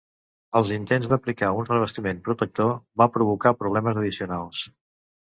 Els intents d"aplicar un revestiment protector va provocar problemes addicionals.